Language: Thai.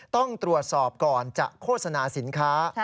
ต้องตรวจสอบก่อนจะโฆษณาสินค้า